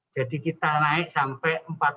jadi kita naik sampai